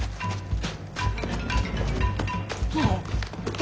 殿？